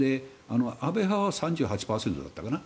安倍派は３８％だったかな。